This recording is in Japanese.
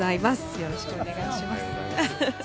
よろしくお願いします。